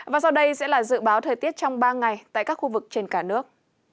và sau đây sẽ là dự báo thời tiết trong ba ngày tại các khu vực trên cả nước